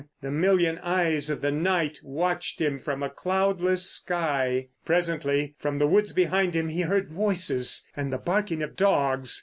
The million eyes of the night watched him from a cloudless sky. Presently from the woods behind him he heard voices and the barking of dogs.